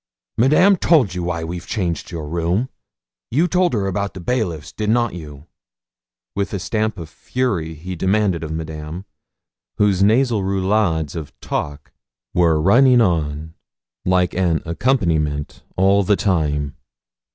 'Madame told you why we've changed your room. You told her about the bailiffs, did not you?' with a stamp of fury he demanded of Madame, whose nasal roullades of talk were running on like an accompaniment all the time.